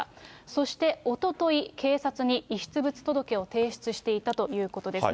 そしておととい、警察に遺失物届を提出していたということです。